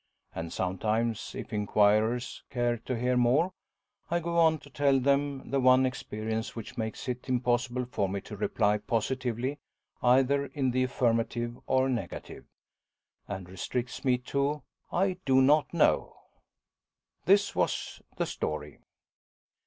And sometimes, if inquirers care to hear more, I go on to tell them the one experience which makes it impossible for me to reply positively either in the affirmative or negative, and restricts me to "I do not know". This was the story.